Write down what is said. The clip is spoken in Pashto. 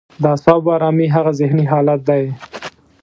د اعصابو ارامي هغه ذهني حالت دی.